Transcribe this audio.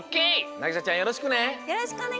凪咲ちゃんよろしくね。